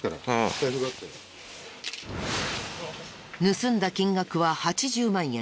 盗んだ金額は８０万円。